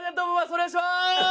お願いしまーす！